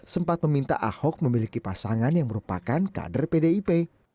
sempat meminta ahok memiliki pasangan yang merupakan kader pdip